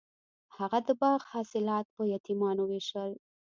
هغه د باغ حاصلات په یتیمانو ویشل.